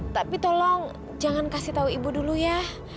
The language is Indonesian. tapi tolong jangan kasih tahu ibu dulu ya